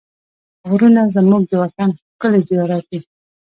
غرونه زموږ د وطن ښکلي زېورات دي.